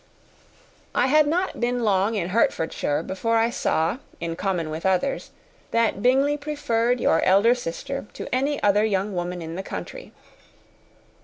I had not been long in Hertfordshire before I saw, in common with others, that Bingley preferred your elder sister to any other young woman in the country.